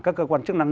các cơ quan chức năng